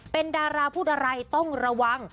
เป็นดาราพูดอะไรต้องระวัง